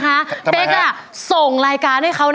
ทำไมครับเป๊กอ่ะส่งรายการให้เค้านะคะ